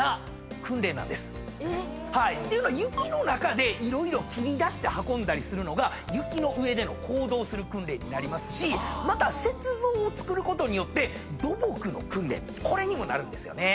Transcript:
雪の中で色々切り出して運んだりするのが雪の上での行動する訓練になりますしまた雪像を造ることによって土木の訓練これにもなるんですよね。